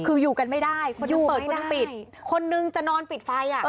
คืออยู่กันไม่ได้คนนั้นเปิดคุณปิดคนนึงจะนอนปิดไฟ